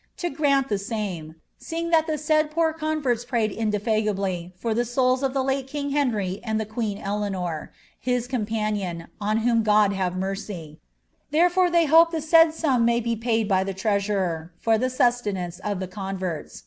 to grant me, seeing that the said poor converts prayed indefiaitigably for the of the late king Henry and the queen Eleanor, his companion, on I God have mercy ; therefore they hope the said sum may be paid i treasurer for the sustenance of the converts.